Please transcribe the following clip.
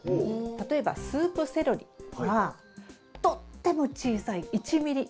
例えばスープセロリはとっても小さい１ｍｍ以下。